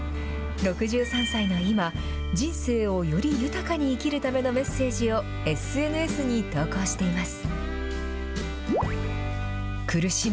６３歳の今、人生をより豊かに生きるためのメッセージをＳＮＳに投稿しています。